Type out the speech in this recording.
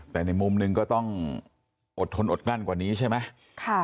แต่ในมุมหนึ่งก็ต้องอดทนอดกลั้นกว่านี้ใช่ไหม